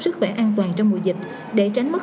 sức khỏe an toàn trong mùa dịch để tránh mất